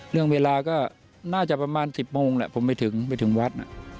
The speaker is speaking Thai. เรื่องเวลาก็น่าจะประมาณ๑๐โมงแหละผมไปถึงไปถึงวัด